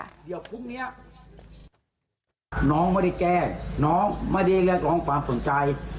เดี๋ยวพรุ่งนี้น้องไม่ได้แก้น้องไม่ได้เรียกร้องความสนใจ